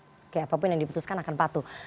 oke apapun yang diputuskan tentunya kita akan patuh